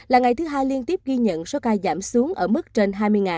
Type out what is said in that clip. là ngày thứ hai liên tiếp ghi nhận số ca giảm xuống ở mức trên hai mươi